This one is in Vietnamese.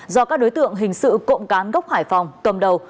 do các đối tượng hình sự cộng cán gốc hải phòng cầm đầu